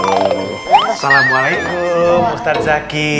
assalamualaikum ustaz zaky